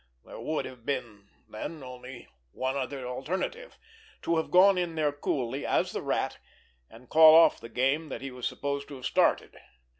There would have been, then, only one other alternative—to have gone in there coolly as the Rat, and call off the game that he was supposed to have started.